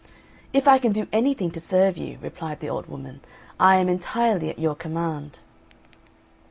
"If I can do anything to serve you," replied the old woman, "I am entirely at your command."